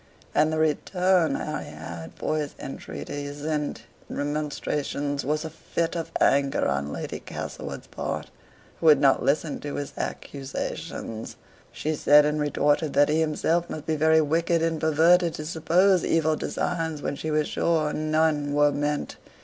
And the return Harry had for his entreaties and remonstrances was a fit of anger on Lady Castlewood's part, who would not listen to his accusations; she said and retorted that he himself must be very wicked and perverted to suppose evil designs where she was sure none were meant.